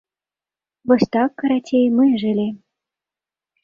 Вось так, карацей, мы і жылі.